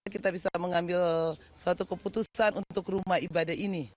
kita bisa mengambil suatu keputusan untuk rumah ibadah ini